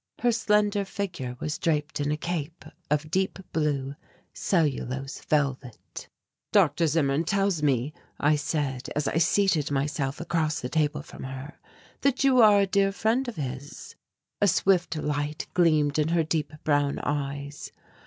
Her slender figure was draped in a cape of deep blue cellulose velvet. "Dr. Zimmern tells me," I said as I seated myself across the table from her, "that you are a dear friend of his." A swift light gleamed in her deep brown eyes.